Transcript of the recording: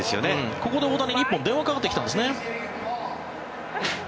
ここで大谷に１本電話がかかってきたんですよね。